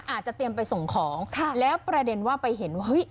อาจจะเตรียมไปส่งของค่ะแล้วประเด็นว่าไปเห็นว่าเฮ้ย